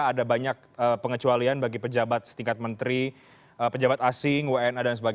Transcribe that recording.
ada banyak pengecualian bagi pejabat setingkat menteri pejabat asing wna dan sebagainya